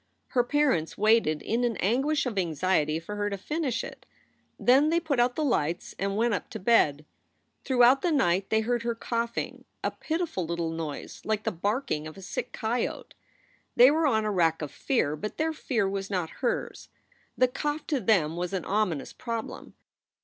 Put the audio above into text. Her parents waited in an anguish of anxiety for her to finish it. Then they put out the lights and went up to bed. Throughout the night they heard her coughing, a pitiful little noise like the barking of a sick coyote. They were on a rack of fear, but their fear was not hers. The cough to them was an ominous problem.